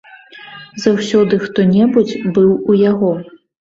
Заўсёды хто-небудзь быў у яго.